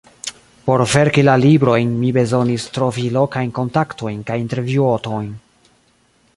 Por verki la librojn mi bezonis trovi lokajn kontaktojn kaj intervjuotojn.